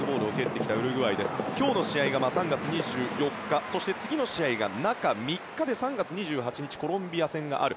今日の試合が３月２４日そして次の試合が中３日で３月２８日にコロンビア戦がある。